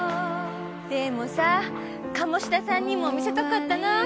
でもさ鴨志田さんにも見せたかったなぁ。